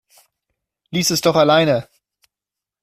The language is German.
Lies es doch alleine!